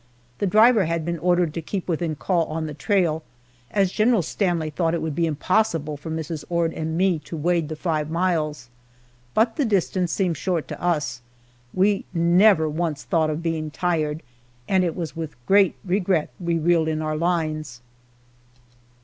The driver had been ordered to keep within call on the trail, as General Stanley thought it would be impossible for Mrs. Ord and me to wade the five miles; but the distance seemed short to us; we never once thought of being tired, and it was with great regret we reeled in our lines.